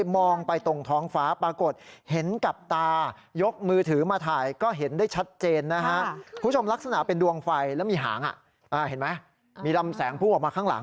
มีหางเห็นไหมมีดำแสงพุ่งออกมาข้างหลัง